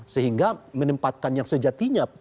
sehingga menempatkan yang sejatinya